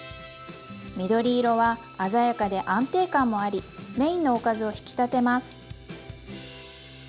緑色は鮮やかで安定感もありメインのおかずを引き立てます。